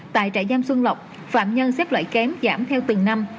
tại trại giam xuân lộc phạm nhân xếp loại kém giảm theo từng năm